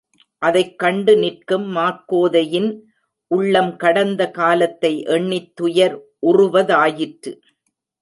அதைக் கண்டு நிற்கும் மாக்கோதையின் உள்ளம் கடந்த காலத்தை எண்ணித் துயர் உறுவதாயிற்று.